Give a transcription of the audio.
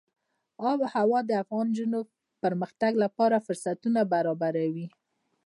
آب وهوا د افغان نجونو د پرمختګ لپاره فرصتونه برابروي.